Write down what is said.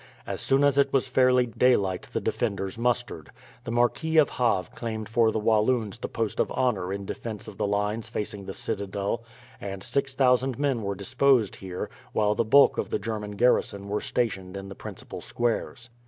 As soon as it was fairly daylight the defenders mustered. The Marquis of Havre claimed for the Walloons the post of honour in defence of the lines facing the citadel; and 6000 men were disposed here, while the bulk of the German garrison were stationed in the principal squares.